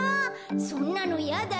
そんなのやだよ。